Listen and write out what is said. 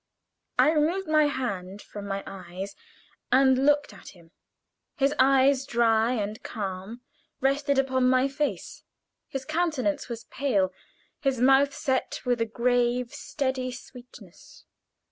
I removed my hand from my eyes, and looked at him. His eyes, dry and calm, rested upon my face. His countenance was pale; his mouth set with a grave, steady sweetness.